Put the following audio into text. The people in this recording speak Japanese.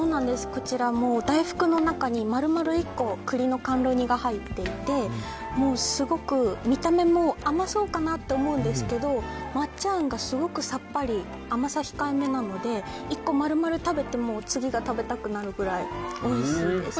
こちら、大福の中に丸々１個栗の甘露煮が入っていてすごく見た目も甘そうかなって思うんですけど抹茶あんがすごくさっぱり甘さ控えめなので１個丸々食べても次が食べたくなるぐらいおいしいです。